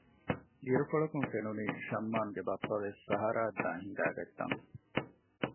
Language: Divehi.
އިރުކޮޅަކުން ފެނުނީ ޝަމްއާންގެ ބައްޕަވެސް ސަހަރާއަށް ދާން ހިނގައިގަތްތަން